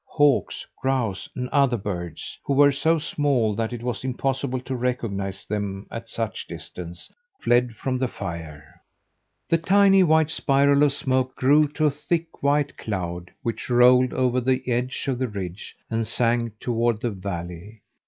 Hawks, grouse, and other birds, who were so small that it was impossible to recognize them at such a distance, fled from the fire. The tiny white spiral of smoke grew to a thick white cloud which rolled over the edge of the ridge and sank toward the valley.